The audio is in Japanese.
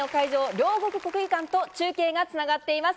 ・両国国技館と中継が繋がっています。